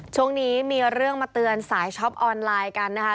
ช่วงนี้มีเรื่องมาเตือนสายช็อปออนไลน์กันนะคะ